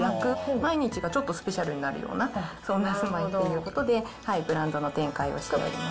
毎日がちょっとスペシャルになるような、そんな住まいということで、ブランドの展開をしております。